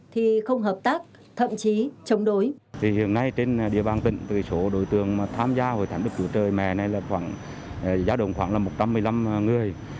thì không hợp tác thậm chí chống đối